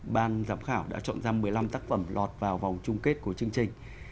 ban giám khảo đã chọn ra một mươi năm tác phẩm lọt vào vòng chung kết của chương trình